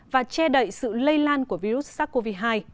và che đậy sự lây lan của virus sars cov hai